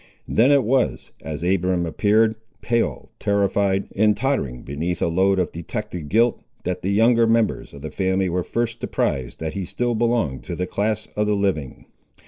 Then it was, as Abiram appeared, pale, terrified, and tottering beneath a load of detected guilt, that the younger members of the family were first apprised that he still belonged to the class of the living.